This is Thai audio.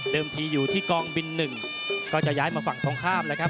ทีอยู่ที่กองบิน๑ก็จะย้ายมาฝั่งตรงข้ามแล้วครับ